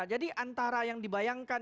jadi antara yang dibayangkan